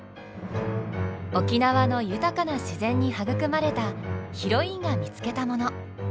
沖縄の豊かな自然に育まれたヒロインが見つけたもの。